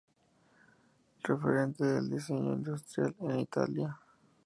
Referente del diseño industrial en Italia.